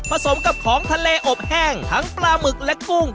สมกับของทะเลอบแห้งทั้งปลาหมึกและกุ้ง